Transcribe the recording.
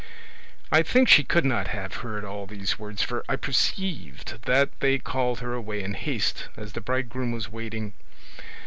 "I think she could not have heard all these words, for I perceived that they called her away in haste, as the bridegroom was waiting.